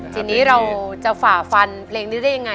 ทีนี้เราจะฝ่าฟันเพลงนี้ได้ยังไง